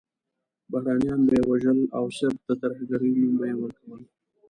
بهرنیان به یې وژل او صرف د ترهګرۍ نوم به یې ورکول.